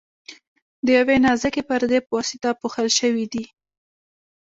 د یوې نازکې پردې په واسطه پوښل شوي دي.